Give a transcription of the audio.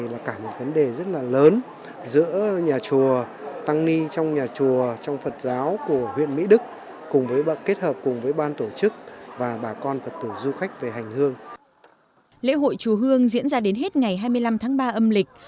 lễ hội chùa hương diễn ra đến hết ngày hai mươi năm tháng ba âm lịch